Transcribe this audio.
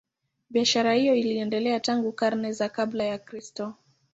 Biashara hiyo iliendelea tangu karne za kabla ya Kristo.